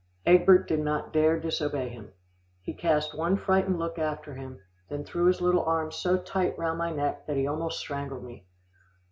Egbert did not dare disobey him. He cast one frightened look after him, then he threw his little arms so tight round my neck, that he almost strangled me.